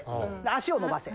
足を伸ばせ」。